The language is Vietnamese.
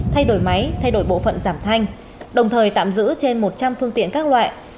thay đổi máy thay đổi bộ phận giảm thanh đồng thời tạm giữ trên một trăm linh phương tiện các loại